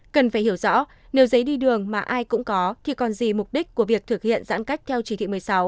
cần phải hiểu rõ nếu giấy đi đường mà ai cũng có thì còn gì mục đích của việc thực hiện giãn cách theo chỉ thị một mươi sáu